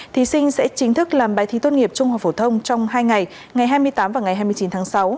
thí sinh sẽ chính thức làm bài thi tốt nghiệp trung học phổ thông trong hai ngày ngày hai mươi tám và ngày hai mươi chín tháng sáu